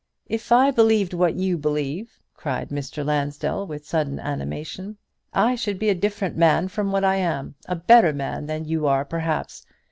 "If I believed what you believe," cried Mr. Lansdell, with sudden animation, "I should be a different man from what I am a better man than you are, perhaps.